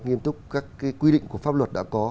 nghiêm túc các quy định của pháp luật đã có